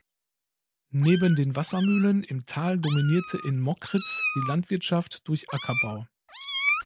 Neben den Wassermühlen im Tal dominierte in Mockritz die Landwirtschaft durch Ackerbau.